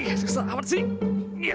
ih susah amat sih